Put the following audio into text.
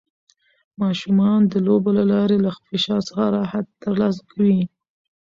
ماشومان د لوبو له لارې له فشار څخه راحت ترلاسه کوي.